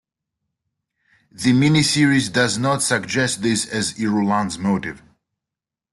The miniseries does not suggest this as Irulan's motive.